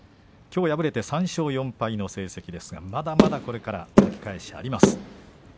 きょう敗れて３勝４敗の成績ですが、まだまだ、これから巻き返しがあります。